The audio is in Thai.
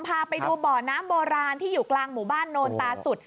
พาไปดูบ่อน้ำโบราณที่อยู่กลางหมู่บ้านโนนตาสุด